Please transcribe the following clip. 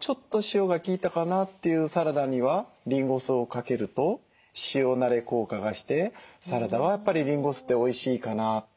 ちょっと塩が効いたかなっていうサラダにはリンゴ酢をかけると塩なれ効果がしてサラダはやっぱりリンゴ酢っておいしいかなって。